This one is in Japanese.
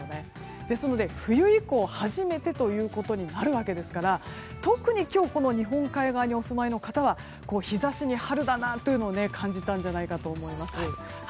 ですので、冬以降初めてということになるわけですから特に今日この日本海側にお住まいの方は日差しに春だなというのを感じたんじゃないかと思います。